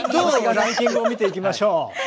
ランキングを見ていきましょう。